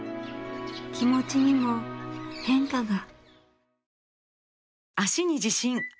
気持ちにも変化が。